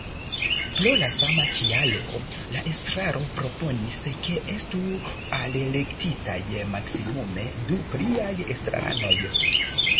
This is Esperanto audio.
Pro la sama kialo la estraro proponis, ke estu alelektitaj maksmimume du pliaj estraranoj.